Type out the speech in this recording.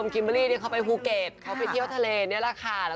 ก็ดีใจกับเขาด้วยน้ำตาไหล่นะแม่